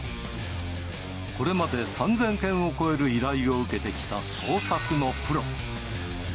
これまで３０００件を超える依頼を受けてきた捜索のプロ。